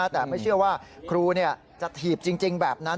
แต่ไม่เชื่อว่าครูจะถีบจริงแบบนั้น